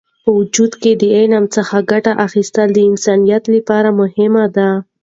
په وجود کې د علم څخه ګټه اخیستل د انسانیت لپاره مهم دی.